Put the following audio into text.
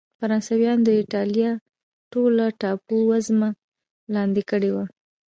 فرانسویانو د اېټالیا ټوله ټاپو وزمه لاندې کړې وه.